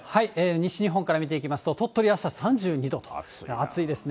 西日本から見ていきますと、鳥取、あした３２度と、暑いですね。